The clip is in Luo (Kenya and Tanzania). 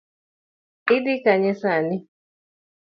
Idhi kanye sani?